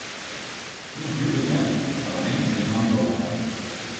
Tundub jube imelik, aga neid senimaani pole.